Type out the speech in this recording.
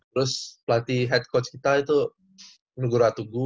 terus pelatih head coach kita itu negora tugu